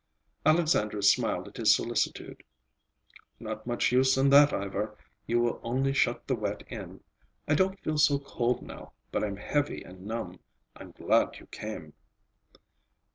Alexandra smiled at his solicitude. "Not much use in that, Ivar. You will only shut the wet in. I don't feel so cold now; but I'm heavy and numb. I'm glad you came."